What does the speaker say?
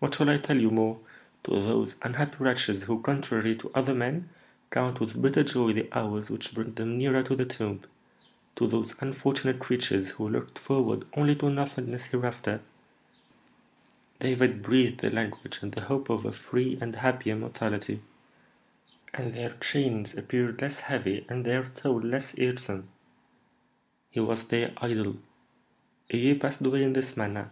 What shall I tell you more? To those unhappy wretches who, contrary to other men, count with bitter joy the hours which bring them nearer to the tomb, to those unfortunate creatures, who looked forward only to nothingness hereafter, David breathed the language and the hope of a free and happy immortality; and then their chains appeared less heavy and their toil less irksome. He was their idol. A year passed away in this manner.